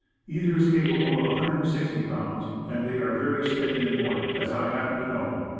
Either is capable of 160 pounds, and they are very steady and buoyant, as I happen to know.